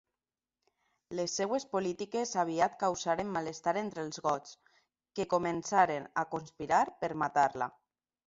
Les seves polítiques aviat causaren malestar entre els gots, que començaren a conspirar per matar-la.